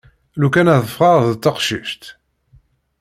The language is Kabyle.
Lukan ad ffɣeɣ d teqcict.